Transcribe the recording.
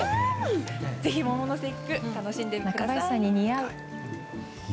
ぜひ桃の節句楽しんでください。